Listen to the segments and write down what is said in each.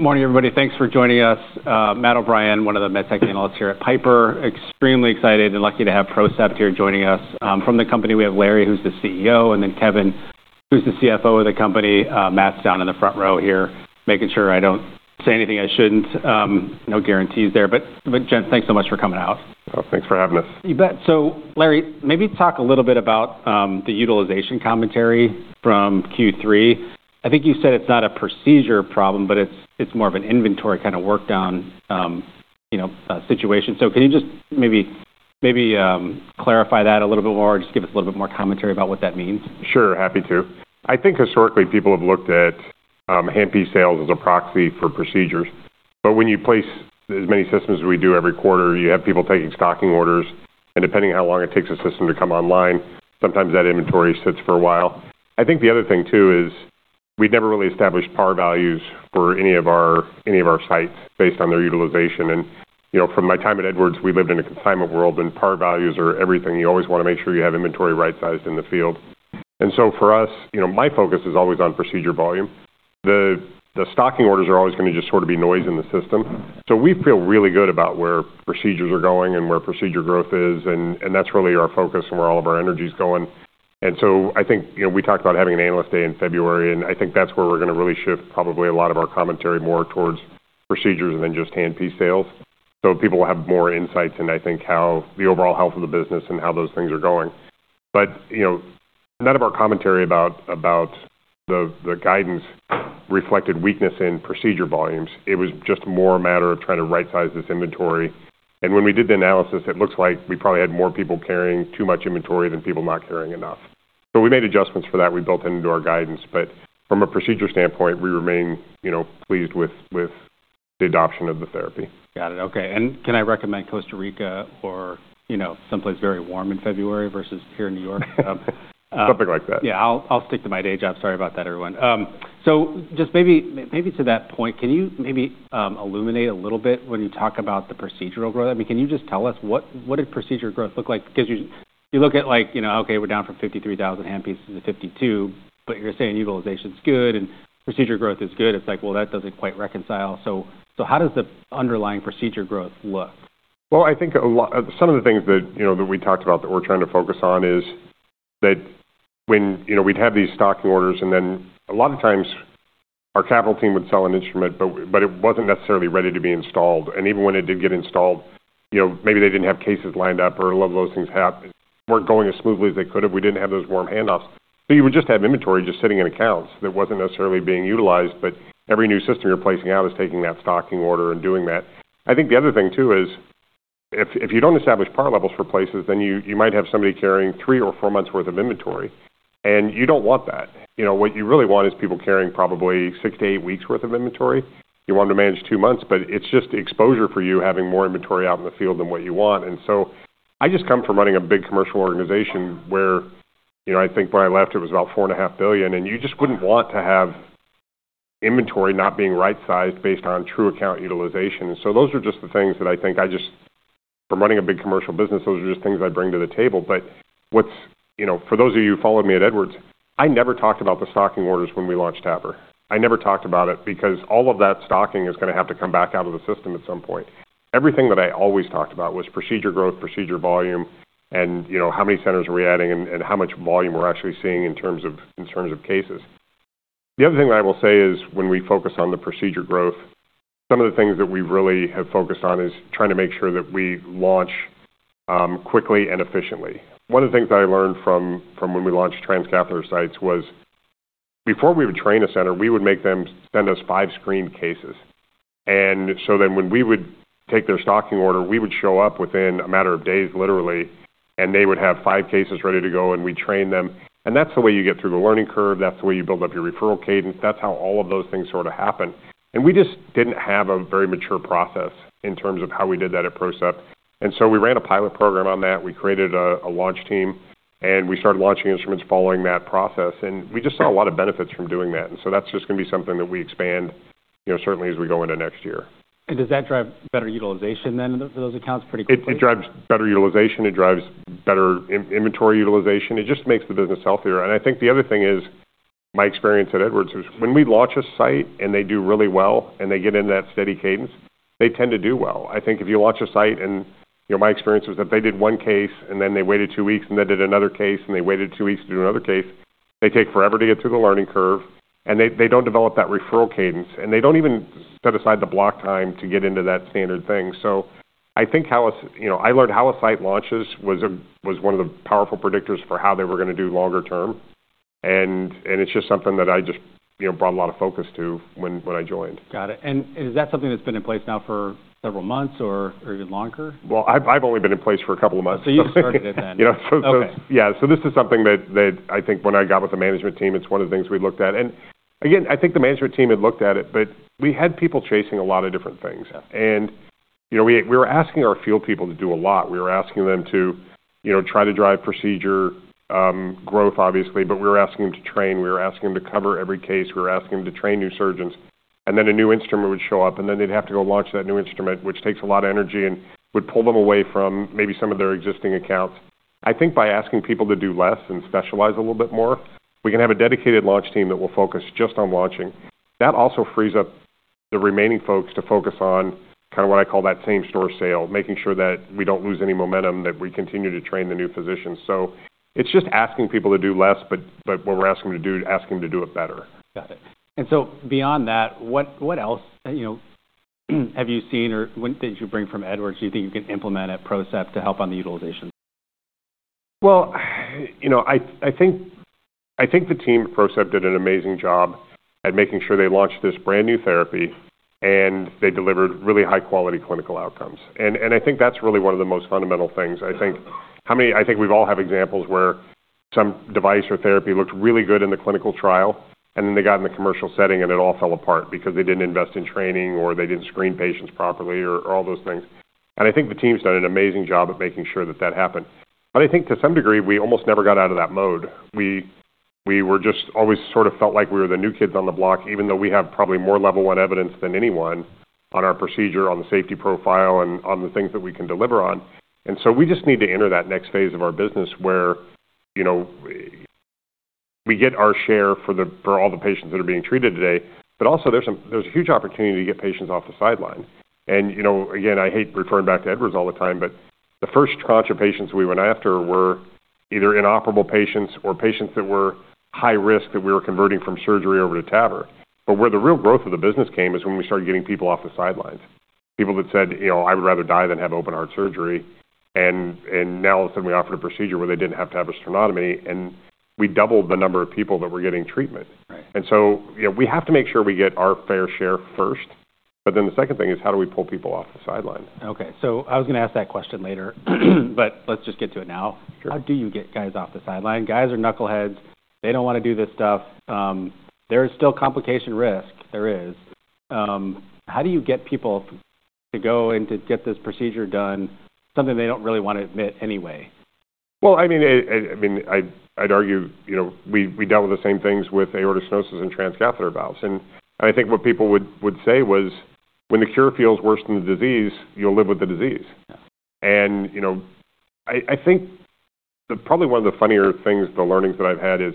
Good morning, everybody. Thanks for joining us. Matt O'Brien, one of the med tech analysts here at Piper. Extremely excited and lucky to have PROCEPT here joining us. From the company, we have Larry, who's the CEO, and then Kevin, who's the CFO of the company. Matt's down in the front row here, making sure I don't say anything I shouldn't. No guarantees there. But, but, Jen, thanks so much for coming out. Oh, thanks for having us. You bet. Larry, maybe talk a little bit about the utilization commentary from Q3. I think you said it's not a procedure problem, but it's more of an inventory kind of workdown, you know, situation. Can you just maybe clarify that a little bit more or just give us a little bit more commentary about what that means? Sure. Happy to. I think historically people have looked at HP sales as a proxy for procedures. When you place as many systems as we do every quarter, you have people taking stocking orders. Depending on how long it takes a system to come online, sometimes that inventory sits for a while. I think the other thing too is we've never really established PAR values for any of our sites based on their utilization. You know, from my time at Edwards, we lived in a consignment world, and PAR values are everything. You always want to make sure you have inventory right-sized in the field. For us, you know, my focus is always on procedure volume. The stocking orders are always going to just sort of be noise in the system. We feel really good about where procedures are going and where procedure growth is. That is really our focus and where all of our energy's going. I think, you know, we talked about having an analyst day in February, and I think that's where we're gonna really shift probably a lot of our commentary more towards procedures than just HP sales. People will have more insight in, I think, how the overall health of the business and how those things are going. You know, none of our commentary about the guidance reflected weakness in procedure volumes. It was just more a matter of trying to right-size this inventory. When we did the analysis, it looks like we probably had more people carrying too much inventory than people not carrying enough. We made adjustments for that. We built into our guidance. From a procedure standpoint, we remain, you know, pleased with, with the adoption of the therapy. Got it. Okay. Can I recommend Costa Rica or, you know, someplace very warm in February versus here in New York? Something like that. Yeah. I'll stick to my day job. Sorry about that, everyone. Just maybe, maybe to that point, can you maybe illuminate a little bit when you talk about the procedural growth? I mean, can you just tell us what, what did procedure growth look like? 'Cause you, you look at like, you know, okay, we're down from 53,000 HP to 52, but you're saying utilization's good and procedure growth is good. It's like, that doesn't quite reconcile. How does the underlying procedure growth look? I think a lot of some of the things that, you know, that we talked about that we're trying to focus on is that when, you know, we'd have these stocking orders, and then a lot of times our capital team would sell an instrument, but it wasn't necessarily ready to be installed. Even when it did get installed, you know, maybe they didn't have cases lined up or a lot of those things happened, weren't going as smoothly as they could have. We didn't have those warm handoffs. You would just have inventory just sitting in accounts that wasn't necessarily being utilized. Every new system you're placing out is taking that stocking order and doing that. I think the other thing too is if you do not establish PAR levels for places, then you might have somebody carrying three or four months' worth of inventory, and you do not want that. You know, what you really want is people carrying probably six to eight weeks' worth of inventory. You want them to manage two months, but it is just exposure for you having more inventory out in the field than what you want. I just come from running a big commercial organization where, you know, I think when I left it was about $4.5 billion, and you just would not want to have inventory not being right-sized based on true account utilization. Those are just the things that I think I just, from running a big commercial business, those are just things I bring to the table. What's, you know, for those of you who followed me at Edwards, I never talked about the stocking orders when we launched TAVR. I never talked about it because all of that stocking is gonna have to come back out of the system at some point. Everything that I always talked about was procedure growth, procedure volume, and, you know, how many centers are we adding and, and how much volume we're actually seeing in terms of, in terms of cases. The other thing that I will say is when we focus on the procedure growth, some of the things that we really have focused on is trying to make sure that we launch quickly and efficiently. One of the things that I learned from, from when we launched transcatheter sites was before we would train a center, we would make them send us five screened cases. When we would take their stocking order, we would show up within a matter of days, literally, and they would have five cases ready to go, and we'd train them. That's the way you get through the learning curve. That's the way you build up your referral cadence. That's how all of those things sort of happen. We just did not have a very mature process in terms of how we did that at PROCEPT. We ran a pilot program on that. We created a launch team, and we started launching instruments following that process. We just saw a lot of benefits from doing that. That's just going to be something that we expand, you know, certainly as we go into next year. Does that drive better utilization then for those accounts? Pretty quickly? It drives better utilization. It drives better inventory utilization. It just makes the business healthier. I think the other thing is my experience at Edwards is when we launch a site and they do really well and they get into that steady cadence, they tend to do well. I think if you launch a site and, you know, my experience was that they did one case and then they waited two weeks and they did another case and they waited two weeks to do another case, they take forever to get through the learning curve. They do not develop that referral cadence, and they do not even set aside the block time to get into that standard thing. I think how a, you know, I learned how a site launches was one of the powerful predictors for how they were gonna do longer term. It's just something that I just, you know, brought a lot of focus to when I joined. Got it. Is that something that's been in place now for several months or even longer? I've only been in place for a couple of months. Oh, so you started it then. You know, so. Okay. Yeah. This is something that I think when I got with the management team, it's one of the things we looked at. I think the management team had looked at it, but we had people chasing a lot of different things. Yeah. You know, we were asking our field people to do a lot. We were asking them to, you know, try to drive procedure growth, obviously, but we were asking them to train. We were asking them to cover every case. We were asking them to train new surgeons. Then a new instrument would show up, and they'd have to go launch that new instrument, which takes a lot of energy and would pull them away from maybe some of their existing accounts. I think by asking people to do less and specialize a little bit more, we can have a dedicated launch team that will focus just on launching. That also frees up the remaining folks to focus on kind of what I call that same store sale, making sure that we do not lose any momentum, that we continue to train the new physicians. It's just asking people to do less, but what we're asking them to do, asking them to do it better. Got it. Beyond that, what else, you know, have you seen or what did you bring from Edwards you think you can implement at PROCEPT to help on the utilization? I think the team at PROCEPT did an amazing job at making sure they launched this brand new therapy, and they delivered really high-quality clinical outcomes. I think that's really one of the most fundamental things. I think we've all have examples where some device or therapy looked really good in the clinical trial, and then they got in the commercial setting, and it all fell apart because they didn't invest in training or they didn't screen patients properly or all those things. I think the team's done an amazing job at making sure that that happened. I think to some degree, we almost never got out of that mode. We were just always sort of felt like we were the new kids on the block, even though we have probably more level 1 evidence than anyone on our procedure, on the safety profile, and on the things that we can deliver on. We just need to enter that next phase of our business where, you know, we get our share for all the patients that are being treated today. There is a huge opportunity to get patients off the sideline. You know, again, I hate referring back to Edwards all the time, but the first tranche of patients we went after were either inoperable patients or patients that were high risk that we were converting from surgery over to TAVR. Where the real growth of the business came is when we started getting people off the sidelines. People that said, you know, "I would rather die than have open-heart surgery." And now all of a sudden we offered a procedure where they didn't have to have a sternotomy, and we doubled the number of people that were getting treatment. Right. You know, we have to make sure we get our fair share first. The second thing is how do we pull people off the sideline? Okay. I was gonna ask that question later, but let's just get to it now. Sure. How do you get guys off the sideline? Guys are knuckleheads. They don't wanna do this stuff. There is still complication risk. There is. How do you get people to go and to get this procedure done, something they don't really wanna admit anyway? I mean, I mean, I'd argue, you know, we dealt with the same things with aortic stenosis and transcatheter valves. I think what people would say was, "When the cure feels worse than the disease, you'll live with the disease. Yeah. You know, I think probably one of the funnier things, the learnings that I've had is,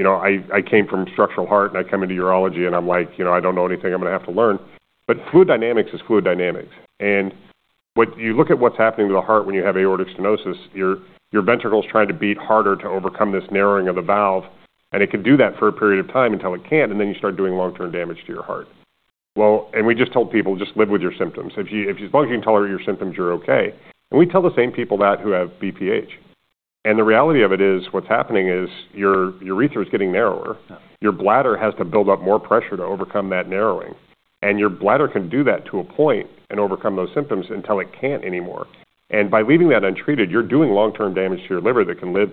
you know, I came from structural heart, and I come into urology, and I'm like, you know, "I don't know anything I'm gonna have to learn." But fluid dynamics is fluid dynamics. What you look at what's happening to the heart when you have aortic stenosis, your ventricle's trying to beat harder to overcome this narrowing of the valve, and it can do that for a period of time until it can't, and then you start doing long-term damage to your heart. We just told people, "Just live with your symptoms. If you, if you as long as you can tolerate your symptoms, you're okay." We tell the same people that who have BPH. The reality of it is what's happening is your urethra is getting narrower. Yeah. Your bladder has to build up more pressure to overcome that narrowing. Your bladder can do that to a point and overcome those symptoms until it cannot anymore. By leaving that untreated, you are doing long-term damage to your bladder that can lead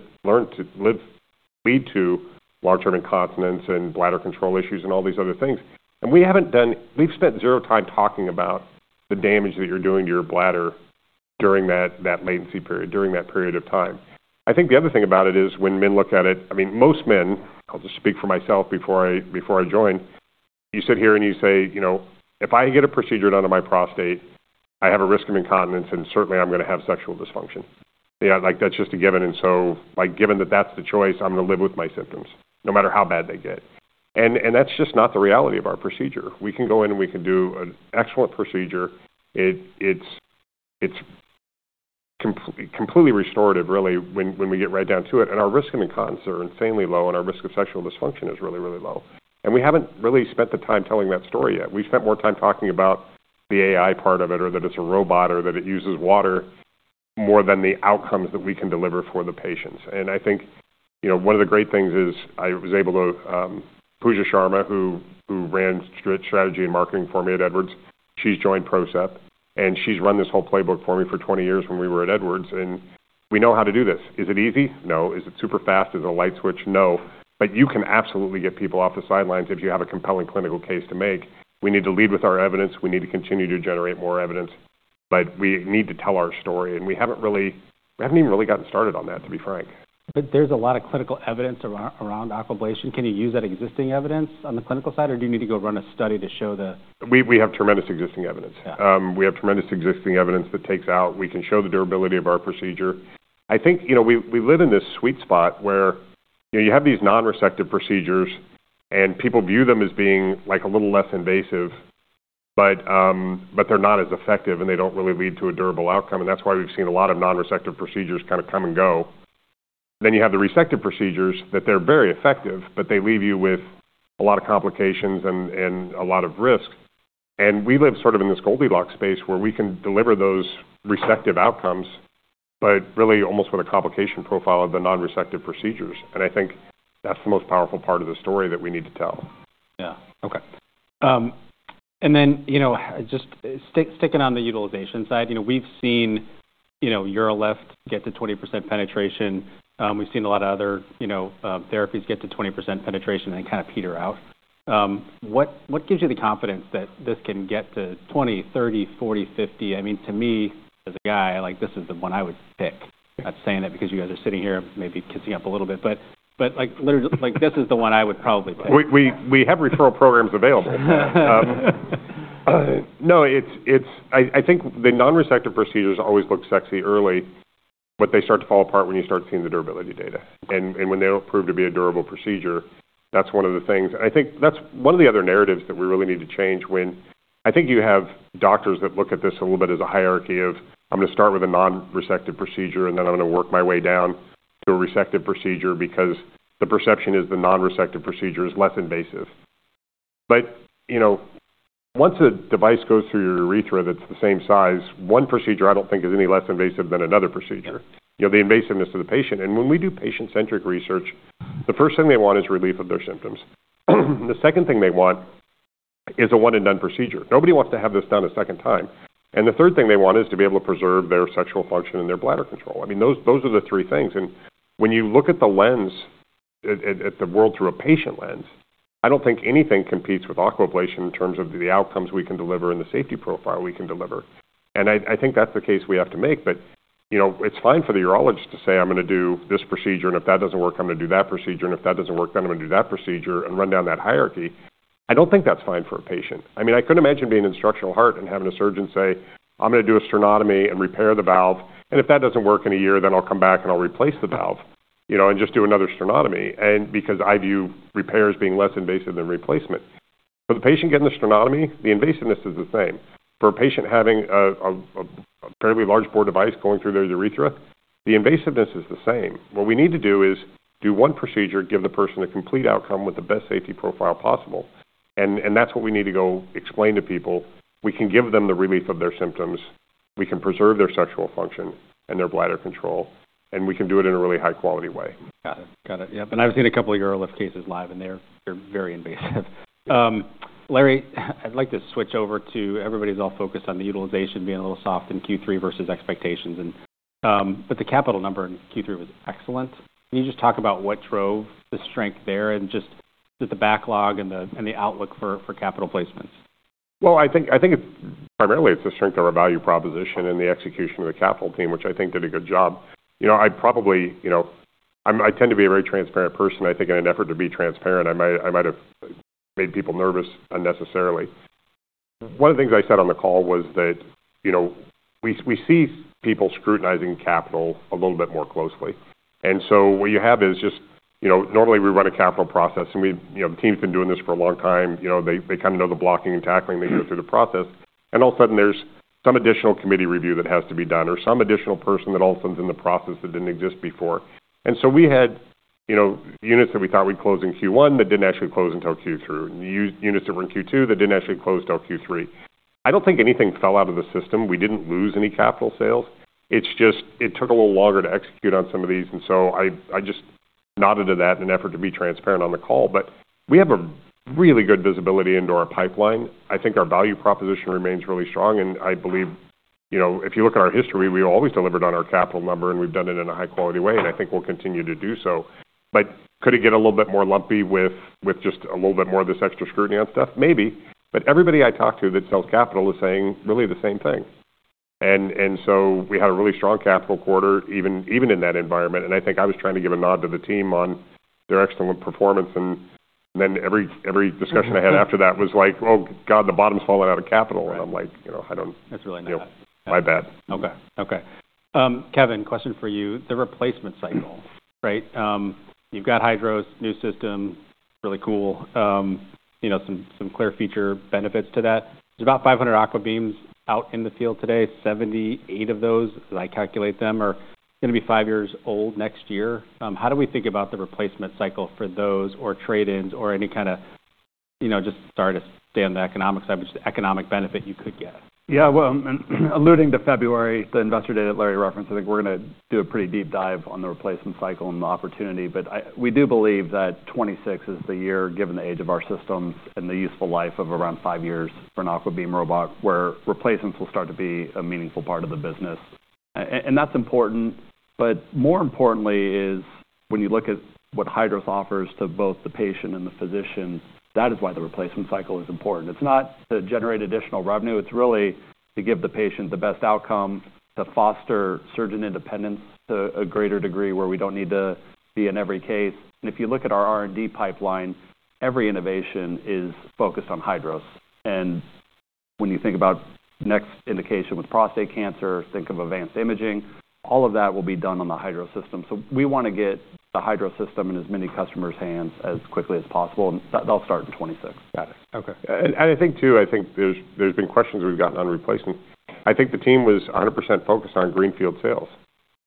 to long-term incontinence and bladder control issues and all these other things. We have not done, we have spent zero time talking about the damage that you are doing to your bladder during that latency period, during that period of time. I think the other thing about it is when men look at it, I mean, most men, I will just speak for myself before I joined, you sit here and you say, you know, "If I get a procedure done on my prostate, I have a risk of incontinence, and certainly I am gonna have sexual dysfunction." Yeah. Like, that's just a given. Like, given that that's the choice, I'm gonna live with my symptoms no matter how bad they get. That's just not the reality of our procedure. We can go in and we can do an excellent procedure. It's completely restorative, really, when we get right down to it. Our risk and incontinence are insanely low, and our risk of sexual dysfunction is really, really low. We haven't really spent the time telling that story yet. We spent more time talking about the AI part of it or that it's a robot or that it uses water more than the outcomes that we can deliver for the patients. I think, you know, one of the great things is I was able to, Pooja Sharma, who ran strategy and marketing for me at Edwards, she's joined PROCEPT, and she's run this whole playbook for me for 20 years when we were at Edwards. We know how to do this. Is it easy? No. Is it super fast? Is it a light switch? No. You can absolutely get people off the sidelines if you have a compelling clinical case to make. We need to lead with our evidence. We need to continue to generate more evidence, but we need to tell our story. We haven't really, we haven't even really gotten started on that, to be frank. There's a lot of clinical evidence around, around aquablation. Can you use that existing evidence on the clinical side, or do you need to go run a study to show the? We have tremendous existing evidence. Yeah. We have tremendous existing evidence that takes out, we can show the durability of our procedure. I think, you know, we live in this sweet spot where, you know, you have these non-receptive procedures, and people view them as being like a little less invasive, but they're not as effective, and they don't really lead to a durable outcome. That is why we've seen a lot of non-receptive procedures kind of come and go. You have the receptive procedures that are very effective, but they leave you with a lot of complications and a lot of risk. We live sort of in this Goldilocks space where we can deliver those receptive outcomes, but really almost with a complication profile of the non-receptive procedures. I think that's the most powerful part of the story that we need to tell. Yeah. Okay. And then, you know, just sticking on the utilization side, you know, we've seen, you know, UroLift get to 20% penetration. We've seen a lot of other, you know, therapies get to 20% penetration and kind of peter out. What gives you the confidence that this can get to 20, 30, 40, 50%? I mean, to me, as a guy, like, this is the one I would pick. Yeah. I'm saying that because you guys are sitting here maybe kissing up a little bit, but, like, literally, like, this is the one I would probably pick. We have referral programs available. I think the non-receptive procedures always look sexy early, but they start to fall apart when you start seeing the durability data. When they do not prove to be a durable procedure, that is one of the things. I think that is one of the other narratives that we really need to change when I think you have doctors that look at this a little bit as a hierarchy of, "I'm gonna start with a non-receptive procedure, and then I'm gonna work my way down to a receptive procedure because the perception is the non-receptive procedure is less invasive." You know, once a device goes through your urethra that is the same size, one procedure I do not think is any less invasive than another procedure. Sure. You know, the invasiveness to the patient. And when we do patient-centric research, the first thing they want is relief of their symptoms. The second thing they want is a one-and-done procedure. Nobody wants to have this done a second time. The third thing they want is to be able to preserve their sexual function and their bladder control. I mean, those, those are the three things. When you look at the world through a patient lens, I don't think anything competes with aquablation in terms of the outcomes we can deliver and the safety profile we can deliver. I think that's the case we have to make. You know, it's fine for the urologist to say, "I'm gonna do this procedure, and if that doesn't work, I'm gonna do that procedure. If that doesn't work, then I'm gonna do that procedure," and run down that hierarchy. I don't think that's fine for a patient. I mean, I couldn't imagine being in structural heart and having a surgeon say, "I'm gonna do a sternotomy and repair the valve. If that doesn't work in a year, then I'll come back and I'll replace the valve, you know, and just do another sternotomy." I view repair as being less invasive than replacement. For the patient getting the sternotomy, the invasiveness is the same. For a patient having a fairly large bore device going through their urethra, the invasiveness is the same. What we need to do is do one procedure, give the person a complete outcome with the best safety profile possible. That's what we need to go explain to people. We can give them the relief of their symptoms. We can preserve their sexual function and their bladder control, and we can do it in a really high-quality way. Got it. Got it. Yep. And I've seen a couple of UroLift cases live, and they're very invasive. Larry, I'd like to switch over to everybody's all focused on the utilization being a little soft in Q3 versus expectations. The capital number in Q3 was excellent. Can you just talk about what drove the strength there and just the backlog and the outlook for capital placements? I think it's primarily a strength of our value proposition and the execution of the capital team, which I think did a good job. You know, I probably, you know, I tend to be a very transparent person. I think in an effort to be transparent, I might have made people nervous unnecessarily. One of the things I said on the call was that, you know, we see people scrutinizing capital a little bit more closely. And so what you have is just, you know, normally we run a capital process, and we, you know, the team's been doing this for a long time. You know, they kind of know the blocking and tackling. They go through the process. All of a sudden, there's some additional committee review that has to be done or some additional person that all of a sudden is in the process that did not exist before. We had, you know, units that we thought we would close in Q1 that did not actually close until Q3, units that were in Q2 that did not actually close until Q3. I do not think anything fell out of the system. We did not lose any capital sales. It just took a little longer to execute on some of these. I just nodded to that in an effort to be transparent on the call. We have really good visibility into our pipeline. I think our value proposition remains really strong. I believe, you know, if you look at our history, we've always delivered on our capital number, and we've done it in a high-quality way. I think we'll continue to do so. Could it get a little bit more lumpy with just a little bit more of this extra scrutiny on stuff? Maybe. Everybody I talked to that sells capital is saying really the same thing. We had a really strong capital quarter even in that environment. I think I was trying to give a nod to the team on their excellent performance. Every discussion I had after that was like, "Oh God, the bottom's falling out of capital." I'm like, you know, I don't. That's really nice. You know, my bad. Okay. Okay. Kevin, question for you. The replacement cycle, right? You've got HYDROS new system, really cool. You know, some, some clear feature benefits to that. There's about 500 AquaBeam systems out in the field today, 78 of those, as I calculate them, are gonna be five years old next year. How do we think about the replacement cycle for those or trade-ins or any kind of, you know, just sorry to stay on the economic side, but just economic benefit you could get? Yeah. Alluding to February, the investor data that Larry referenced, I think we're gonna do a pretty deep dive on the replacement cycle and the opportunity. I, we do believe that 2026 is the year, given the age of our systems and the useful life of around five years for an AquaBeam robot, where replacements will start to be a meaningful part of the business. That is important. More importantly is when you look at what HYDROS offers to both the patient and the physician, that is why the replacement cycle is important. It's not to generate additional revenue. It's really to give the patient the best outcome, to foster surgeon independence to a greater degree where we don't need to be in every case. If you look at our R&D pipeline, every innovation is focused on HYDROS. When you think about next indication with prostate cancer, think of advanced imaging, all of that will be done on the Hydro system. We wanna get the Hydro system in as many customers' hands as quickly as possible. That will start in 2026. Got it. Okay. I think too, I think there's been questions we've gotten on replacement. I think the team was 100% focused on greenfield sales.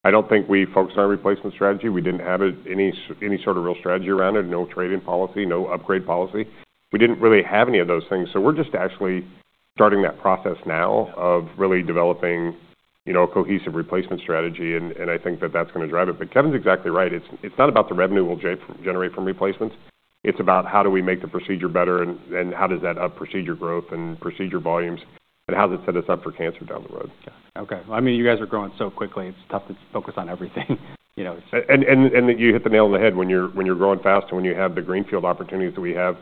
I don't think we focused on replacement strategy. We didn't have any sort of real strategy around it, no trade-in policy, no upgrade policy. We didn't really have any of those things. We're just actually starting that process now of really developing, you know, a cohesive replacement strategy. I think that that's gonna drive it. Kevin's exactly right. It's not about the revenue we'll generate from replacements. It's about how do we make the procedure better and how does that up procedure growth and procedure volumes and how does it set us up for cancer down the road? Got it. Okay. I mean, you guys are growing so quickly. It's tough to focus on everything, you know. You hit the nail on the head when you're growing fast and when you have the greenfield opportunities that we have,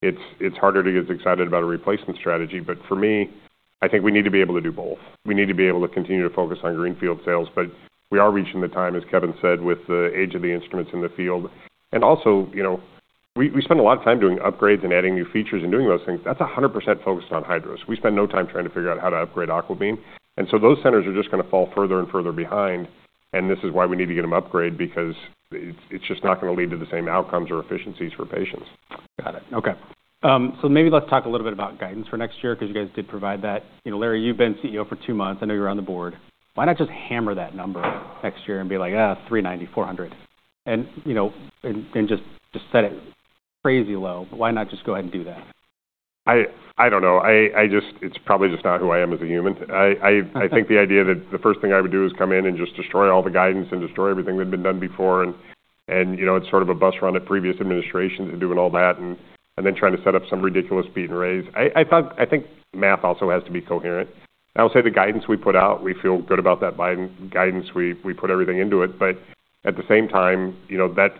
it's harder to get excited about a replacement strategy. For me, I think we need to be able to do both. We need to be able to continue to focus on greenfield sales. We are reaching the time, as Kevin said, with the age of the instruments in the field. Also, you know, we spend a lot of time doing upgrades and adding new features and doing those things. That's 100% focused on HYDROS. We spend no time trying to figure out how to upgrade AquaBeam. Those centers are just gonna fall further and further behind. This is why we need to get them upgraded because it's just not gonna lead to the same outcomes or efficiencies for patients. Got it. Okay. so maybe let's talk a little bit about guidance for next year 'cause you guys did provide that. You know, Larry, you've been CEO for two months. I know you're on the board. Why not just hammer that number next year and be like, 390, 400, and, you know, and, and just, just set it crazy low? Why not just go ahead and do that? I don't know. I just, it's probably just not who I am as a human. I think the idea that the first thing I would do is come in and just destroy all the guidance and destroy everything that had been done before. You know, it's sort of a bus run at previous administrations and doing all that and then trying to set up some ridiculous beat and raise. I thought, I think math also has to be coherent. I'll say the guidance we put out, we feel good about that buying guidance. We put everything into it. At the same time, you know, that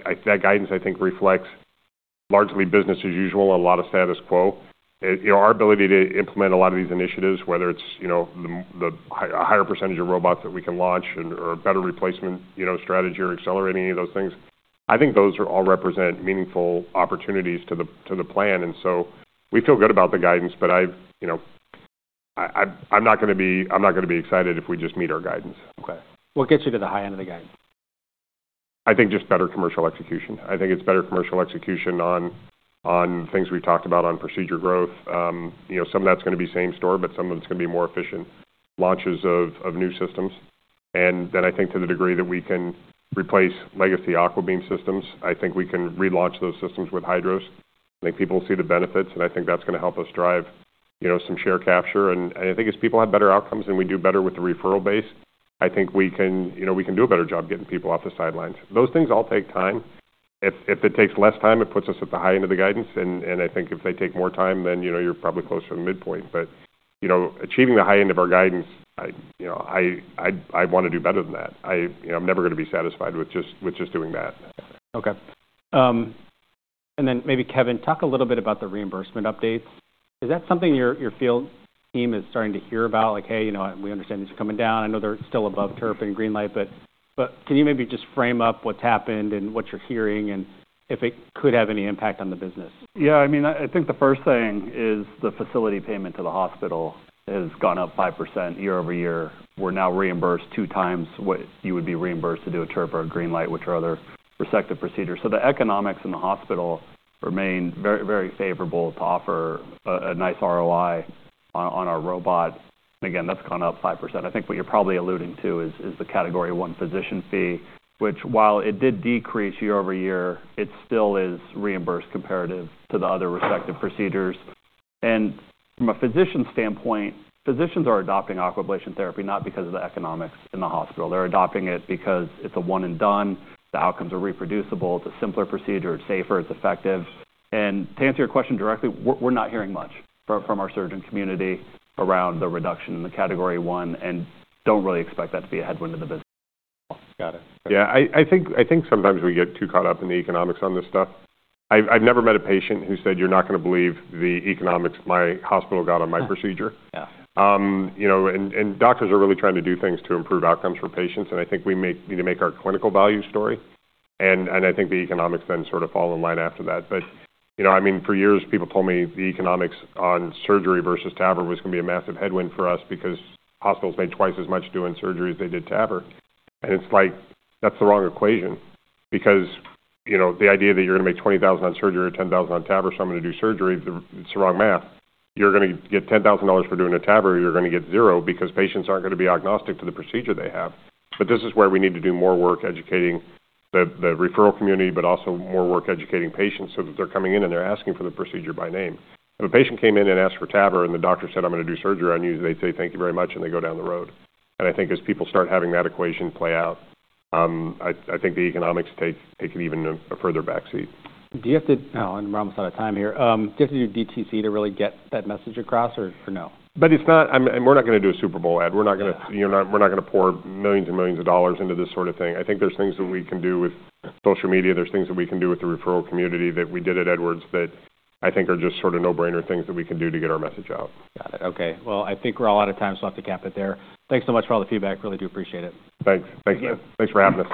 guidance, I think, reflects largely business as usual and a lot of status quo. You know, our ability to implement a lot of these initiatives, whether it's, you know, the high, a higher percentage of robots that we can launch and/or a better replacement, you know, strategy or accelerating any of those things, I think those all represent meaningful opportunities to the plan. We feel good about the guidance, but I, you know, I'm not gonna be, I'm not gonna be excited if we just meet our guidance. Okay. What gets you to the high end of the guidance? I think just better commercial execution. I think it's better commercial execution on, on things we've talked about on procedure growth. You know, some of that's gonna be same store, but some of it's gonna be more efficient launches of, of new systems. And then I think to the degree that we can replace legacy AquaBeam systems, I think we can relaunch those systems with HYDROS. I think people will see the benefits, and I think that's gonna help us drive, you know, some share capture. And I think as people have better outcomes and we do better with the referral base, I think we can, you know, we can do a better job getting people off the sidelines. Those things all take time. If it takes less time, it puts us at the high end of the guidance. I think if they take more time, then, you know, you're probably close to the midpoint. But, you know, achieving the high end of our guidance, I, you know, I want to do better than that. I, you know, I'm never going to be satisfied with just, with just doing that. Okay. And then maybe Kevin, talk a little bit about the reimbursement updates. Is that something your field team is starting to hear about? Like, "Hey, you know, we understand these are coming down. I know they're still above TURP and GreenLight," but can you maybe just frame up what's happened and what you're hearing and if it could have any impact on the business? Yeah. I mean, I think the first thing is the facility payment to the hospital has gone up 5% year-over-year. We're now reimbursed two times what you would be reimbursed to do a TURP or a GreenLight, which are other resective procedures. The economics in the hospital remain very, very favorable to offer a nice ROI on our robot. Again, that's gone up 5%. I think what you're probably alluding to is the Category I physician fee, which while it did decrease year-over-year, it still is reimbursed comparative to the other resective procedures. From a physician standpoint, physicians are adopting aquablation therapy not because of the economics in the hospital. They're adopting it because it's a one-and-done. The outcomes are reproducible. It's a simpler procedure. It's safer. It's effective. To answer your question directly, we're not hearing much from our surgeon community around the reduction in the category I and do not really expect that to be a headwind to the business. Got it. Yeah. I think sometimes we get too caught up in the economics on this stuff. I've never met a patient who said, "You're not gonna believe the economics my hospital got on my procedure. Yeah. You know, and doctors are really trying to do things to improve outcomes for patients. I think we may need to make our clinical value story. I think the economics then sort of fall in line after that. You know, I mean, for years, people told me the economics on surgery versus TAVR was gonna be a massive headwind for us because hospitals made twice as much doing surgery as they did TAVR. It's like, that's the wrong equation because, you know, the idea that you're gonna make $20,000 on surgery or $10,000 on TAVR, so I'm gonna do surgery, it's the wrong math. You're gonna get $10,000 for doing a TAVR, you're gonna get zero because patients aren't gonna be agnostic to the procedure they have. This is where we need to do more work educating the referral community, but also more work educating patients so that they're coming in and they're asking for the procedure by name. If a patient came in and asked for TAVR and the doctor said, "I'm gonna do surgery on you," they say, "Thank you very much," and they go down the road. I think as people start having that equation play out, I think the economics take it even a further backseat. Do you have to, oh, I'm almost out of time here. Do you have to do DTC to really get that message across or, or no? It is not, I mean, we are not gonna do a Super Bowl ad. We are not gonna, you know, we are not gonna pour millions and millions of dollars into this sort of thing. I think there are things that we can do with social media. There are things that we can do with the referral community that we did at Edwards that I think are just sort of no-brainer things that we can do to get our message out. Got it. Okay. I think we're all out of time. I'll have to cap it there. Thanks so much for all the feedback. Really do appreciate it. Thanks. Thanks. Thank you. Thanks for having us.